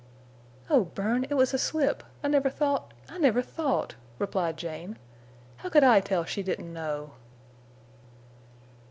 "Oh, Bern! It was a slip. I never thought—I never thought!" replied Jane. "How could I tell she didn't know?"